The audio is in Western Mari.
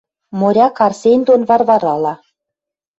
Моряк Арсень дон Варварала